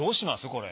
これ。